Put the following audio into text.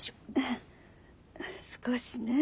少しね。